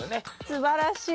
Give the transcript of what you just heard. すばらしい！